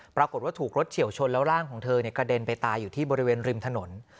ปรากฏว่าถูกรถเฉียวชนแล้วร่างของเธอกระเด็นไปตายอยู่ที่บริเวณริมถนน